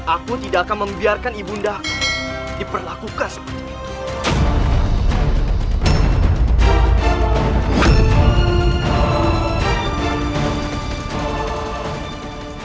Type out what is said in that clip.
aku tidak akan membiarkan ibu undangku diperlakukan seperti itu